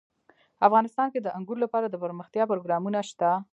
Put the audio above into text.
افغانستان کې د انګور لپاره دپرمختیا پروګرامونه شته.